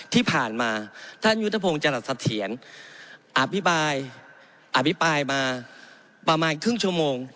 ที่ผ่านมาท่านยุทธพงศ์จรัสเถียรอภิปรายมาประมาณครึ่งชั่วโมง